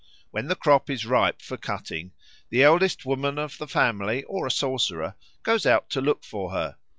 When the crop is ripe for cutting, the oldest woman of the family or a sorcerer goes out to look for her.